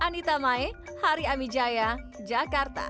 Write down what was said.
anita mae hari amijaya jakarta